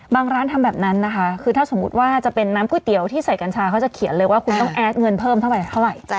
ร้านทำแบบนั้นนะคะคือถ้าสมมุติว่าจะเป็นน้ำก๋วยเตี๋ยวที่ใส่กัญชาเขาจะเขียนเลยว่าคุณต้องแอดเงินเพิ่มเท่าไหร่